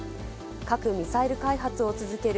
核・ミサイル開発を続ける